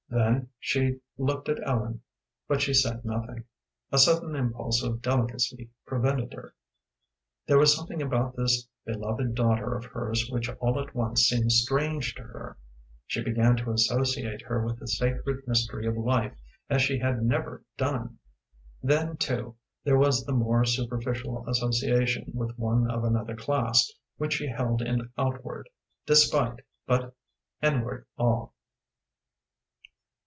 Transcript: Then she looked at Ellen, but she said nothing. A sudden impulse of delicacy prevented her. There was something about this beloved daughter of hers which all at once seemed strange to her. She began to associate her with the sacred mystery of life as she had never done. Then, too, there was the more superficial association with one of another class which she held in outward despite but inward awe.